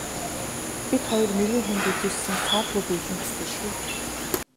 Бид хоёр мэргэн хүнд үзүүлсэн саадгүй биелнэ гэсэн шүү.